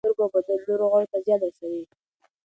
ناوخته خوراک د سترګو او بدن نورو غړو ته زیان رسوي.